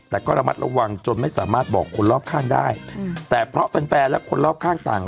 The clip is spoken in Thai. แต่ก็ระมัดระวังจนไม่สามารถบอกคนรอบข้างได้แต่เพราะแฟนแฟนและคนรอบข้างต่าง